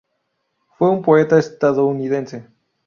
Fue un poeta estadounidense.